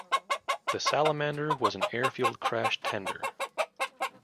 The Salamander was an airfield crash tender.